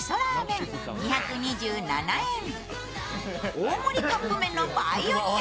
大盛りカップ麺のパイオニア。